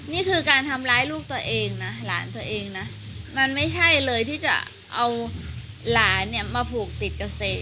นี่คือการทำร้ายลูกตัวเองนะหลานตัวเองนะมันไม่ใช่เลยที่จะเอาหลานเนี่ยมาผูกติดเกษตร